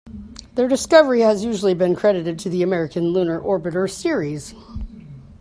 Their discovery has usually been credited to the American Lunar Orbiter series.